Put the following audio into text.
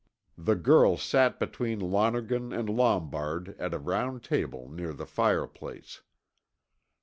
The girl sat between Lonergan and Lombard at a round table near the fireplace.